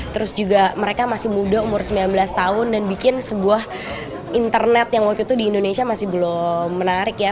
terus juga mereka masih muda umur sembilan belas tahun dan bikin sebuah internet yang waktu itu di indonesia masih belum menarik ya